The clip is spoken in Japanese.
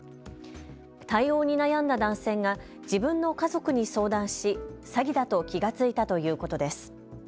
対応に悩んだ男性が自分の家族に相談し詐欺だと気が付いたということです。